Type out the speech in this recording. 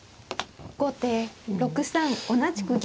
後手６三同じく銀。